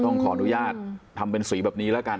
ขออนุญาตทำเป็นสีแบบนี้แล้วกัน